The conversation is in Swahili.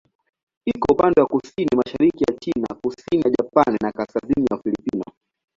Iko upande wa kusini-mashariki ya China, kusini ya Japani na kaskazini ya Ufilipino.